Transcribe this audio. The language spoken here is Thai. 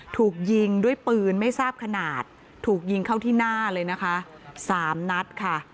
ถูกยิงด้วยปืนไม่ทราบขนาดถูกยิงเข้าที่หน้าเลยนะคะสามนัดค่ะ